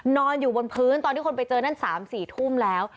นอนอยู่บนพื้นตอนที่คนไปเจอนั่น๓๔ทุ่มแล้ว